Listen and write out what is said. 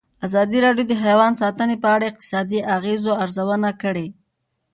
ازادي راډیو د حیوان ساتنه په اړه د اقتصادي اغېزو ارزونه کړې.